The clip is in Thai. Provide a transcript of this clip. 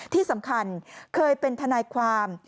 ที่สำคัญเคยเป็นทนายความ